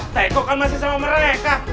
teko kan masih sama mereka